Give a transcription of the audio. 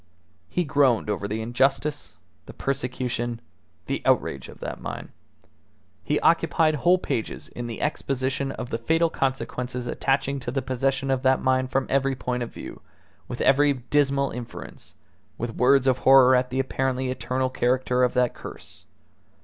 He groaned over the injustice, the persecution, the outrage of that mine; he occupied whole pages in the exposition of the fatal consequences attaching to the possession of that mine from every point of view, with every dismal inference, with words of horror at the apparently eternal character of that curse.